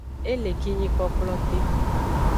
E le kinyi kplokplote.